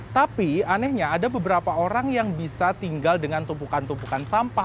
tapi anehnya ada beberapa orang yang bisa tinggal dengan tumpukan tumpukan sampah